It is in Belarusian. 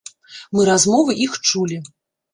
Мы размовы іх чулі.